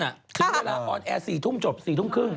ค่ะครอบค้นแอร์สี่ทุ่มจบสี่ทุ่มครึ่ง